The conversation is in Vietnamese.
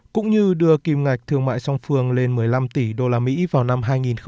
cũng như đưa kim ngạch thương mại song phương lên một mươi năm tỷ usd vào năm hai nghìn hai mươi